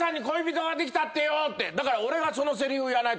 だから俺がそのせりふ言わないと。